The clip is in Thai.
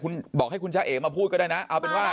คุณบอกให้คุณจ้าเอ๋มาพูดก็ได้นะเอาเป็นว่า